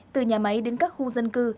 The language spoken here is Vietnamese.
từ nhà máy đến các khu dân cư